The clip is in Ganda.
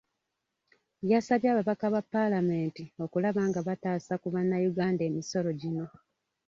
Yasabye ababaka ba Paalamenti okulaba nga bataasa ku bannayuganda emisolo gino.